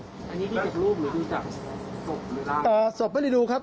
อันนี้ดูจากรูปหรือรู้จักศพหรือเปล่าต่อศพไม่ได้ดูครับ